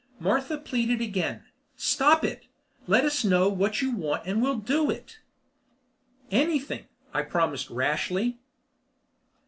Martha pleaded again: "Stop it! Let us know what you want and we'll do it." "Anything," I promised rashly.